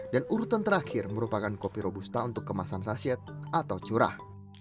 dan urutan terakhir merupakan kopi robusta untuk kemasan saset atau curah